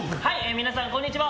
皆さん、こんにちは。